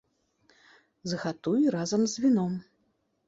Згатуй разам з віном.